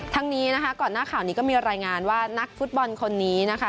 ทั้งนี้นะคะก่อนหน้าข่าวนี้ก็มีรายงานว่านักฟุตบอลคนนี้นะคะ